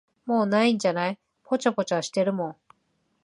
もう無いんじゃない、ぽちゃぽちゃしてるもん。